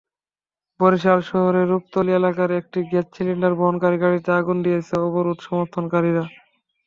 বরিশাল শহরের রূপাতলী এলাকায় একটি গ্যাস সিলিন্ডার বহনকারী গাড়িতে আগুন দিয়েছে অবরোধ সমর্থনকারীরা।